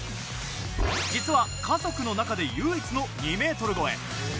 実は家族の中で唯一の２ｍ超え。